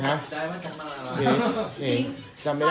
แล้วอันนี้อ่ะ